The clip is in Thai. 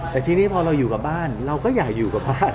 แต่ทีนี้พอเราอยู่กับบ้านเราก็อยากอยู่กับบ้าน